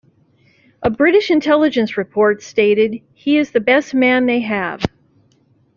A British intelligence report stated, "He is the best man they have".